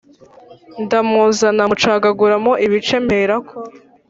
Ndamuzana mucagaguramo ibice mperako